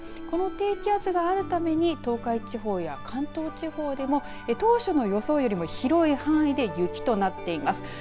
この低気圧があるために東海地方や関東地方でも当初の予想よりも広い範囲で雪となっています。